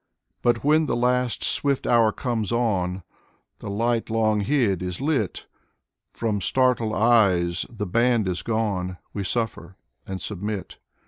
But when the last swift hour comes on, The light long hid is lit. From startled eyes the band is gone, We suffer and submit.